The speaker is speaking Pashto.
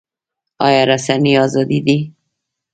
آیا رسنۍ ازادې دي؟